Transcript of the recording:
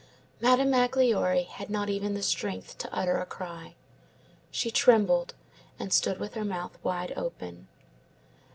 Madame Magloire had not even the strength to utter a cry. She trembled, and stood with her mouth wide open.